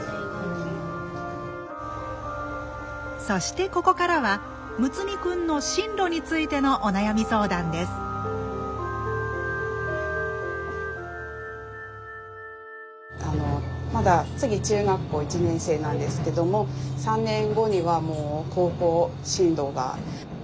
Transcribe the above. そしてここからは睦弥くんの進路についてのお悩み相談ですまだ次中学校１年生なんですけども３年後にはもう高校進路が。